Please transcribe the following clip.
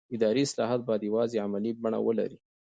اداري اصلاحات باید یوازې عملي بڼه ولري